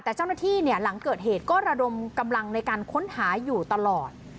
แต่เจ้าหน้าที่หลังเกิดเหตุก็ระดมกำลังในการค้นหาอยู่ตลอด